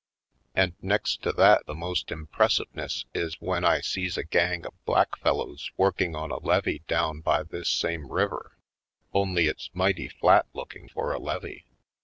And next to that the most impressiveness is when I sees a gang of black fellows work ing on a levee down by this same river, only it's mighty fiat looking for a levee.